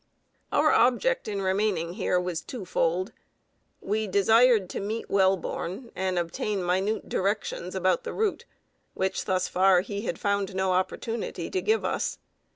Our object in remaining here was twofold. We desired to meet Welborn, and obtain minute directions about the route, which thus far he had found no opportunity to give us.